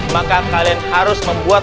maka kalian harus membuat